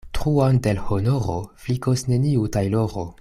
Truon de l' honoro flikos neniu tajloro.